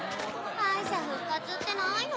・敗者復活ってないの？